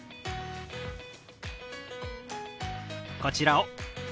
こちらを。